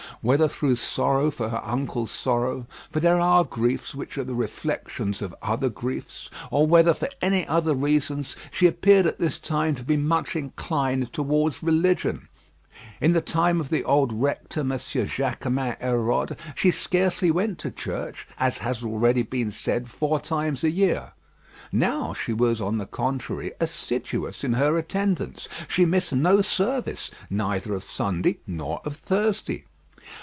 Whether through sorrow for her uncle's sorrow for there are griefs which are the reflections of other griefs or whether for any other reasons, she appeared at this time to be much inclined towards religion. In the time of the old rector, M. Jaquemin Hérode, she scarcely went to church, as has been already said, four times a year. Now she was, on the contrary, assiduous in her attendance. She missed no service, neither of Sunday nor of Thursday.